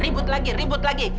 ribut lagi ribut lagi